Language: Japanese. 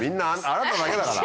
あなただけだから！